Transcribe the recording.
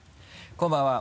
こんばんは。